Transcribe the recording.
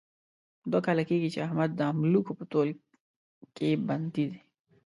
دوه کاله کېږي، چې احمد د املوکو په تول کې بندي دی.